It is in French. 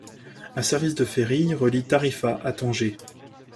Un service de ferry relie Tarifa à Tanger.